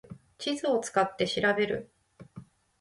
地図を使って調べる